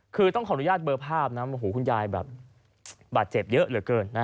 คือต้องขออนุญาตเบอร์ภาพนะโอ้โหคุณยายแบบบาดเจ็บเยอะเหลือเกินนะ